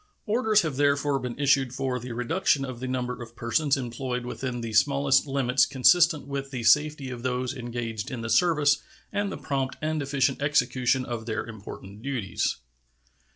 Orders have therefore been issued for the reduction of the number of persons employed within the smallest limits consistent with the safety of those engaged in the service and the prompt and efficient execution of their important duties.